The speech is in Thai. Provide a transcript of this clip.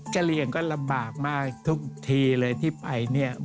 กระเรียงก็ลำบากมากทุกทีเลยที่ไป